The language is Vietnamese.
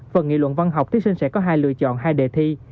phần nghị luận văn học thí sinh sẽ có hai lựa chọn hai đề thi